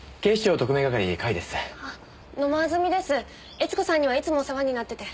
悦子さんにはいつもお世話になってて。